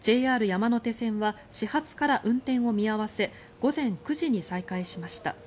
山手線は始発から運転を見合わせ午前９時に再開しました。